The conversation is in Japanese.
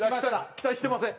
期待してません。